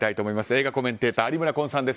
映画コメンテーター有村昆さんです。